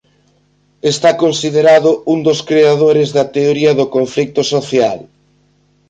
Está considerado un dos creadores da teoría do conflito social.